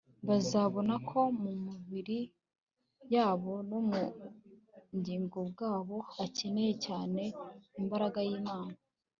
bazabona ko mu mibiri yabo no mu bugingo bwabo bakeneye cyane imbaraga y'imana